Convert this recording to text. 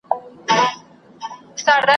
محقق کندهاري د ډېرو تأليفاتو مؤلف دئ